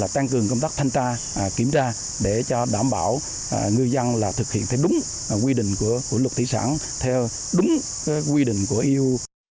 tăng cường công tác thanh tra kiểm tra để đảm bảo ngư dân thực hiện theo đúng quy định của luật thủy sản theo đúng quy định của eu